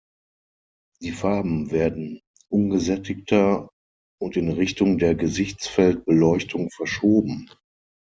Die Farben werden ungesättigter und in Richtung der Gesichtsfeld-Beleuchtung verschoben.